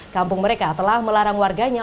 kampung mereka telah melarang warganya